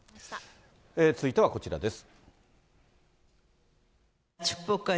続いてはこちらです。